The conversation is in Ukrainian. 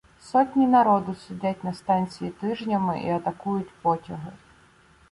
Сотні народу сидять на станції тижнями і атакують потяги.